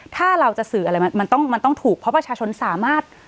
ถ้าเราจะสื่ออะไรมันต้องมันต้องถูกเพราะประชาชนสามารถ